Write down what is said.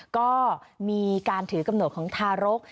ก็มีการถือกำหนดของทารก